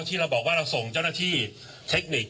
ที่เราบอกว่าเราส่งเจ้าหน้าที่เทคนิค